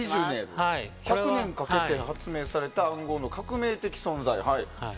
１００年かけて発明された暗号の革命的存在。